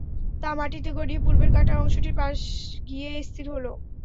তা মাটিতে গড়িয়ে পূর্বের কাটা অংশটির পাশ গিয়ে স্থির হল।